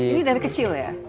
ini dari kecil ya